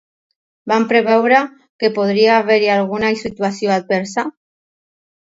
Van preveure que podria haver-hi alguna situació adversa?